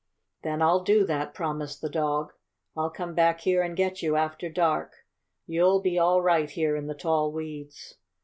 "Then I'll do that," promised the dog. "I'll come back here and get you after dark. You'll be all right here in the tall weeds."